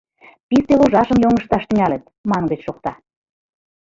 — Писте ложашым йоҥышташ тӱҥалыт, мангыч шокта.